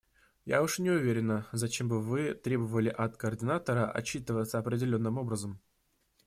Я уж не уверена, зачем бы Вы требовали от координатора отчитываться определенным образом.